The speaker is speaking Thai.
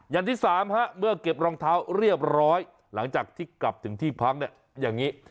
อย่างที่สามเมื่อเก็บรองเท้าเรียบร้อยหลังจากที่กลับถึงที่พัง